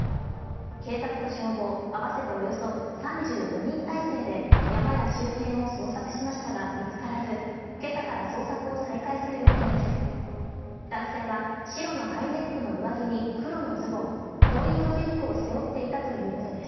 警察と消防合わせておよそ３５人態勢で山や周辺を捜索しましたが見つからず今朝から捜索を再開する予定です。